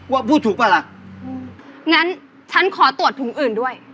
ว่าพูดถูกป่ะล่ะงั้นฉันขอตรวจถุงอื่นด้วย